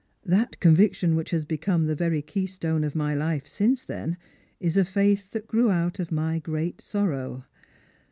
That conviction which has become the very keystone of my life since then is a faith that grew out of my great sorrow.